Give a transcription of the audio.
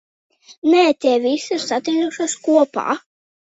Nē, tie visi ir satinušies kopā.